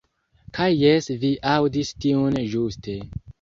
Kaj jes vi aŭdis tiun ĵuste.